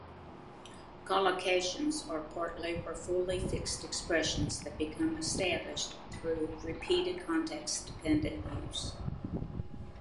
Collocations are partly or fully fixed expressions that become established through repeated context-dependent use.